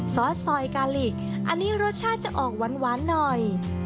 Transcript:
ซอสซอยกาหลีกอันนี้รสชาติจะออกหวานหน่อย